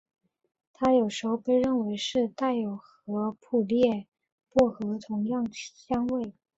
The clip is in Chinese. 它有时候被认为是带有和普列薄荷同样香味。